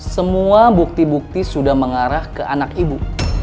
semua bukti bukti sudah mengarah ke anak ibu